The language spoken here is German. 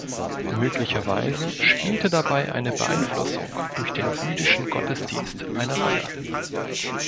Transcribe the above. Möglicherweise spielte dabei eine Beeinflussung durch den jüdischen Gottesdienst eine Rolle.